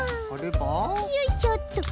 よいしょっと。